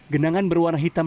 genangan berwarna hitam